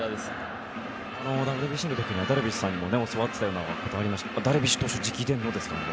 ＷＢＣの時にダルビッシュさんにも教わっていたようなこともありましたがダルビッシュ投手直伝のですか？